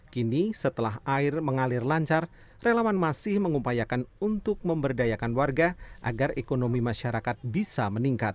kini setelah air mengalir lancar relawan masih mengupayakan untuk memberdayakan warga agar ekonomi masyarakat bisa meningkat